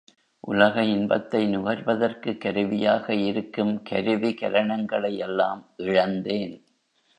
உலக இன்பத்தை நுகர்வதற்குக் கருவியாக இருக்கும் கருவி கரணங்களை எல்லாம் இழந்தேன்.